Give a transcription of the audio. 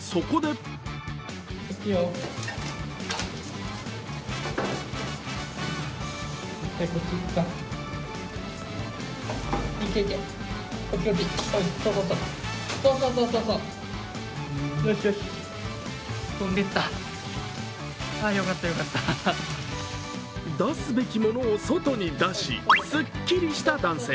そこで出すべきものを外に出しすっきりした男性。